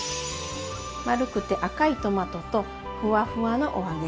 丸くて赤いトマトとふわふわのお揚げさん。